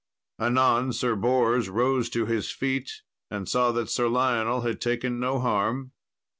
Anon Sir Bors rose to his feet, and saw that Sir Lionel had taken no harm.